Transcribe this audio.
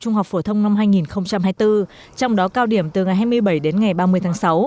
trung học phổ thông năm hai nghìn hai mươi bốn trong đó cao điểm từ ngày hai mươi bảy đến ngày ba mươi tháng sáu